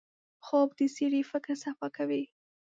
خوب د سړي فکر صفا کوي